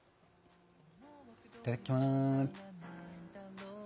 いただきます！